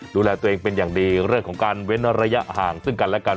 ดูแลตัวเองเป็นอย่างดีเรื่องของการเว้นระยะห่างซึ่งกันและกัน